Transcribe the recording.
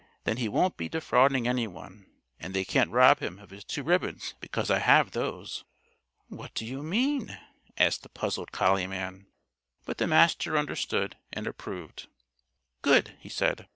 "Then he won't be defrauding anyone, and they can't rob him of his two ribbons because I have those." "What do you mean?" asked the puzzled collie man. But the Master understood and approved. "Good!" he said.